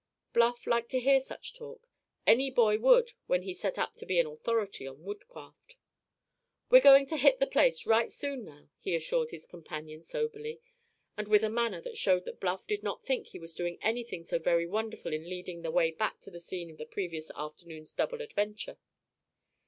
Bluff liked to hear such talk; any boy would when he set up to be an authority on woodcraft. "We're going to hit the place right soon now," he assured his companion soberly and with a manner that showed that Bluff did not think he was doing anything so very wonderful in leading the way back to the scene of the previous afternoon's double adventure.